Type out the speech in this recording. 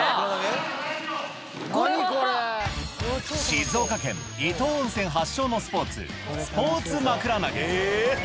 静岡県伊東温泉発祥のスポーツ、スポーツまくら投げ。